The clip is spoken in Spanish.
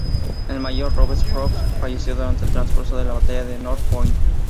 El mayor Robert Ross falleció durante el transcurso de la batalla de North Point.